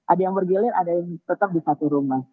ada yang bergilir ada yang tetap di satu rumah